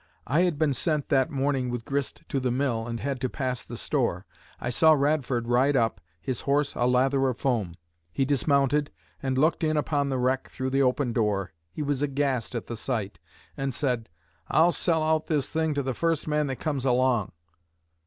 I had been sent that morning with grist to the mill, and had to pass the store. I saw Radford ride up, his horse a lather of foam. He dismounted, and looked in upon the wreck through the open door He was aghast at the sight, and said, 'I'll sell out this thing to the first man that comes along.'